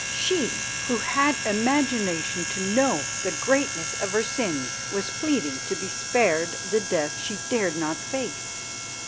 She who had imagination to know the greatness of her sins was pleading to be spared the death she dared not face.